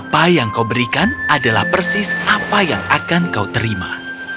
dan apa yang kau berikan adalah persis apa yang akan kau terima